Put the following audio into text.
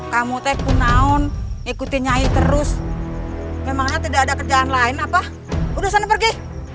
kamu tekun naon ikuti nyai terus memangnya tidak ada kerjaan lain apa udah sana pergi